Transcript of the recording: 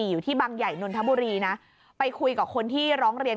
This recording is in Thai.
อยู่ที่บังใหญ่นนทบุรีนะไปคุยกับคนที่ร้องเรียน